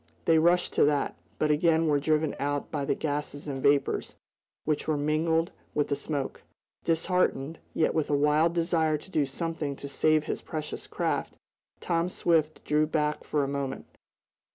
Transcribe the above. They rushed to that, but again were driven out by the gases and vapors, which were mingled with the smoke. Disheartened, yet with a wild desire to do something to save his precious craft, Tom Swift drew back for a moment.